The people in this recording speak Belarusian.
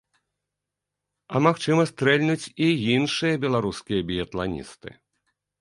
А, магчыма, стрэльнуць і іншыя беларускія біятланісты.